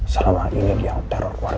selama ini dia yang teror warga al